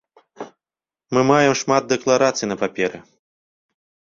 Мы маем шмат дэкларацый на паперы.